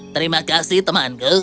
terima kasih temanku